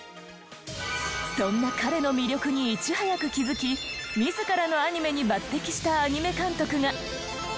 そんな彼の魅力にいち早く気付き自らのアニメに抜擢したアニメ監督が。